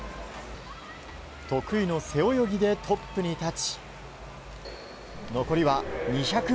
得意の背泳ぎでトップに立ち。